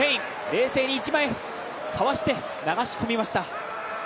冷静に１枚、交わして流し込みました。